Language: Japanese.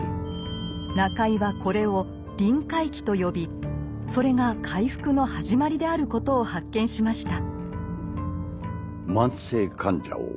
中井はこれを「臨界期」と呼びそれが回復の始まりであることを発見しました。